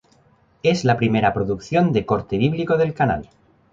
Es la primera producción de corte bíblico del canal.